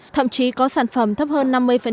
thậm chí có sản phẩm thấp hơn năm mươi